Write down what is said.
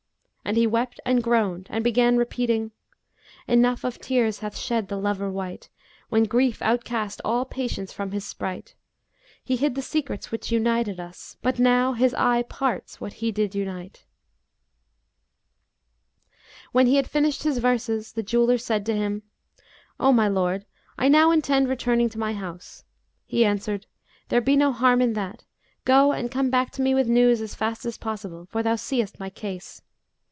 And he wept and groaned and began repeating, 'Enough of tears hath shed the lover wight, * When grief outcast all patience from his sprite: He hid the secrets which united us, * But now His eye parts what He did unite!'" When he had finished his verses, the jeweller said to him, "O my lord, I now intend returning to my house." He answered, "There be no harm in that; go and come back to me with news as fast as possible, for thou seest my case."